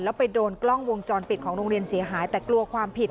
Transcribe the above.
แล้วไปโดนกล้องวงจรปิดของโรงเรียนเสียหายแต่กลัวความผิด